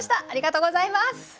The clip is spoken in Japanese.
ありがとうございます！